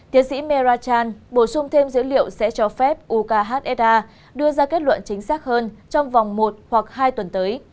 tiến sĩ merrachan bổ sung thêm dữ liệu sẽ cho phép uksa đưa ra kết luận chính xác hơn trong vòng một hoặc hai tuần tới